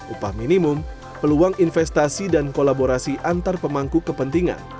upah minimum peluang investasi dan kolaborasi antar pemangku kepentingan